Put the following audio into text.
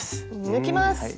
抜きます！